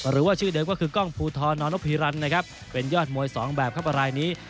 หรือว่าชื่อเดิมก็คือกล้องภูทรนพีรันนะครับเป็นยอดมวยสองแบบครับรายนี้